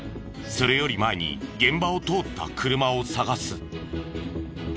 それより前に現場を通った車を探す。